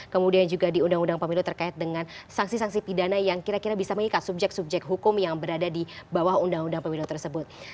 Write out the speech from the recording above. kemudian juga di undang undang pemilu terkait dengan sanksi sanksi pidana yang kira kira bisa mengikat subjek subjek hukum yang berada di bawah undang undang pemilu tersebut